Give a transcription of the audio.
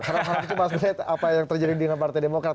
harap harap cuma lihat apa yang terjadi dengan partai demokrat